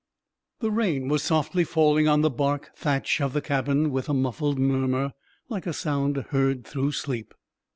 The rain was softly falling on the bark thatch of the cabin with a muffled murmur, like a sound heard through sleep.